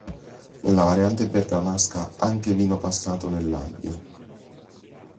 Nella variante bergamasca anche vino passato nell'aglio.